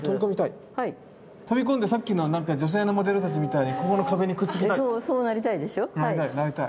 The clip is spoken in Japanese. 飛び込んでさっきの女性のモデルたちみたいにここの壁にくっつきたい。